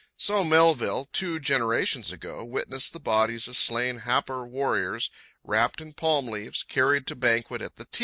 So Melville, two generations ago, witnessed the bodies of slain Happar warriors, wrapped in palm leaves, carried to banquet at the Ti.